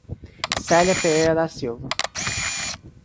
Celia Pereira da Silva